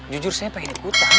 jujur saya pengen ikutan